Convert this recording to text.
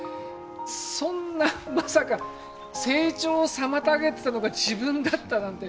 そんなまさか成長を妨げてたのが自分だったなんて。